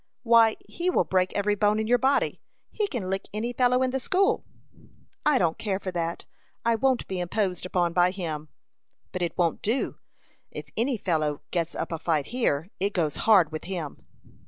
"Why, he will break every bone in your body. He can lick any fellow in the school." "I don't care for that. I won't be imposed upon by him." "But it won't do; if any fellow gets up a fight here, it goes hard with him."